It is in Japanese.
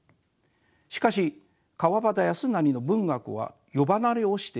しかし川端康成の文学は世離れをしています。